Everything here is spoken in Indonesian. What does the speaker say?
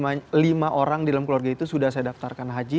karena lima orang di dalam keluarga itu sudah saya daftarkan haji